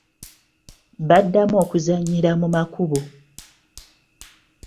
Baddamu okuzannyira mu makubo.